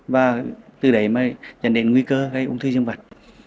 và từ đấy mà dần đến nguy cơ gây ung thư dương vật